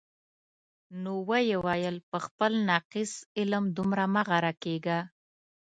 نو ویې ویل: په خپل ناقص علم دومره مه غره کېږه.